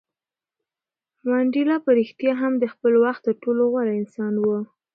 منډېلا په رښتیا هم د خپل وخت تر ټولو غوره انسان و.